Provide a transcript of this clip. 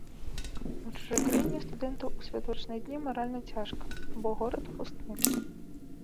У чужой краіне студэнту ў святочныя дні маральна цяжка, бо горад пусты.